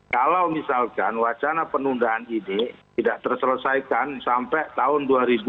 kalau misalkan wacana penundaan ini tidak terselesaikan sampai tahun dua ribu dua puluh